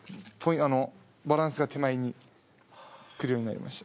あのバランスが手前に来るようになりました。